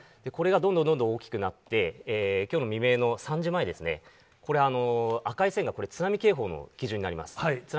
これがどんどんどんどん大きくなって、きょうの未明の３時前ですね、これ、赤い線がこれ、津波警報の基準になります。